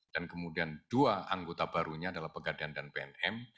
dan kemudian dua anggota barunya adalah pegadan dan bnm